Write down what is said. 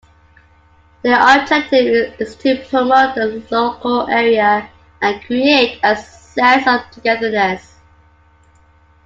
Their objective is to promote the local area and create 'a sense of togetherness'.